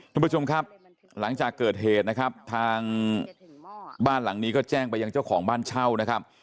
คุณผู้ชมครับหลังจากเกิดเหตุนะครับทางบ้านหลังนี้ก็แจ้งไปยังเจ้าของบ้านเช่านะครับ